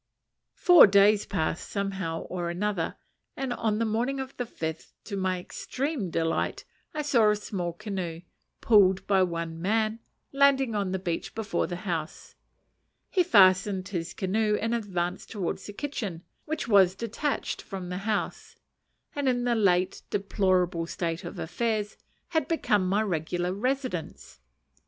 Four days passed, somehow or another, and on the morning of the fifth, to my extreme delight, I saw a small canoe, pulled by one man, landing on the beach before the house. He fastened his canoe and advanced towards the kitchen, which was detached from the house, and, in the late deplorable state of affairs, had become my regular residence.